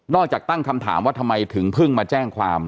จากตั้งคำถามว่าทำไมถึงเพิ่งมาแจ้งความ